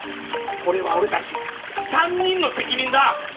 これはおれたち３人の責任だ！